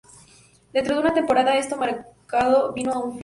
Dentro de una temporada, eso mercado vino a un fin.